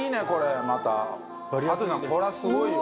羽鳥さんこれはすごいよ。